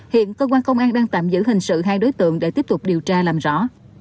hiện cơ quan công an đang tạm giữ hình sự hai đối tượng để tiếp tục điều tra làm rõ